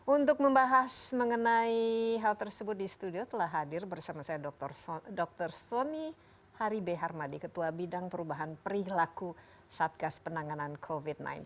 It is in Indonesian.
untuk membahas mengenai hal tersebut di studio telah hadir bersama saya dr sony haribe harmadi ketua bidang perubahan perilaku satgas penanganan covid sembilan belas